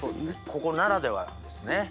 ここならではですね。